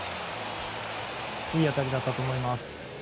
いい当たりだったと思います。